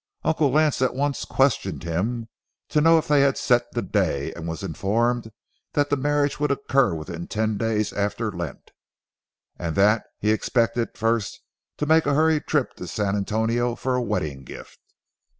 Uncle Lance at once questioned him to know if they had set the day, and was informed that the marriage would occur within ten days after Lent, and that he expected first to make a hurried trip to San Antonio for a wedding outfit.